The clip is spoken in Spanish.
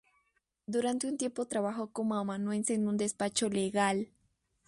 Durante un tiempo trabajó como amanuense en un despacho legal.